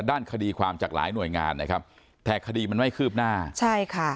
ด้านคดีความจากหลายหน่วยงานนะครับแต่คดีมันไม่คืบหน้าใช่ค่ะ